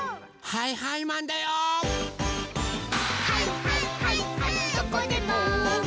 「はいはいはいはいマン」